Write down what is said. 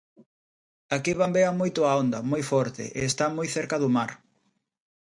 Aquí bambea moito a onda, moi forte, e está moi cerca do mar.